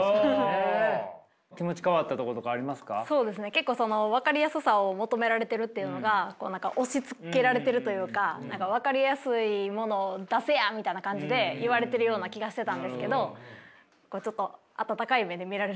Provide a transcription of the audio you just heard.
結構その分かりやすさを求められてるっていうのが押しつけられているというか分かりやすいものを出せやみたいな感じで言われてるような気がしてたんですけどちょっと温かい目で見られるようになったというか。